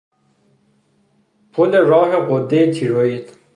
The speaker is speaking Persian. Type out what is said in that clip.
پل راه غدهی تیروئید